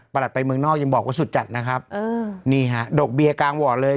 หลัดไปเมืองนอกยังบอกว่าสุดจัดนะครับเออนี่ฮะดอกเบียกลางวอร์ดเลย